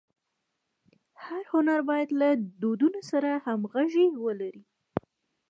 هر هنر باید له دودونو سره همږغي ولري.